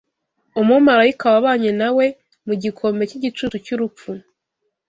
umumarayika wabanye na we mu gikombe cy’igicucu cy’urupfu